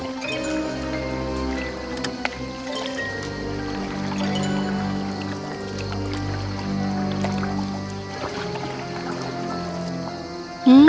lampu itu berlalu